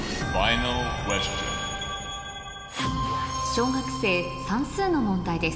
小学生算数の問題です